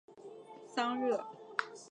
特龙桑热。